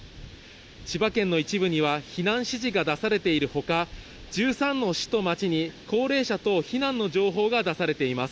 千葉県の一部には、避難指示が出されているほか、１３の市と町に高齢者等避難の情報が出されています。